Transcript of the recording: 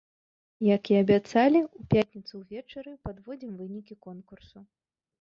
Як і абяцалі, у пятніцу ўвечары падводзім вынікі конкурсу.